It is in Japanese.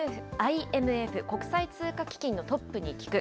ＩＭＦ・国際通貨基金のトップに聞く。